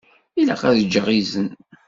Ilaq ad ǧǧeɣ izen.